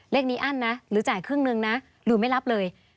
เลขนี้อั้นนะหรือจ่ายครึ่งนึงนะหรือไม่รับเลย